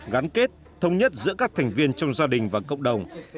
gắn kết thống nhất giữa các thành viên trong gia đình và cộng đồng